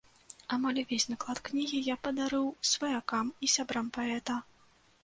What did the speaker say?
Амаль увесь наклад кнігі я падарыў сваякам і сябрам паэта.